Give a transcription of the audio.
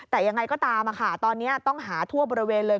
แต่ยังไงก็ตามตอนนี้ต้องหาทั่วบริเวณเลย